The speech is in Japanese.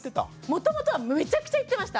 もともとはむちゃくちゃ言ってました。